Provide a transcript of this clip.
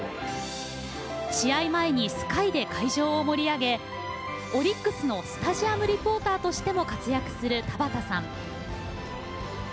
試合前に「ＳＫＹ」で会場を盛り上げオリックスのスタジアムリポーターとしても活躍する田畑さん。